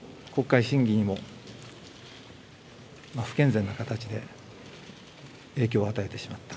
国会審議にも不健全な形で影響を与えてしまった。